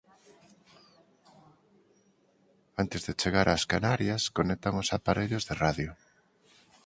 Antes de chegar ás Canarias conectan os aparellos de radio.